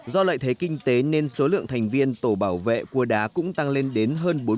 do lợi thế kinh tế nên số lượng thành viên tổ bảo vệ cua đá cũng tăng lên